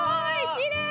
きれい！